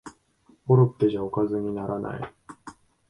コロッケじゃおかずにならない